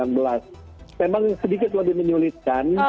memang sedikit lebih menyulitkan